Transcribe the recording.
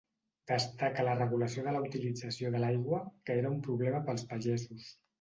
Destaca la regulació de la utilització de l'aigua que era un problema pels pagesos.